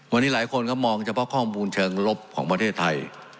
วันนี้หลายคนก็มองเฉพาะข้อมูลเชิงลบของประเทศไทย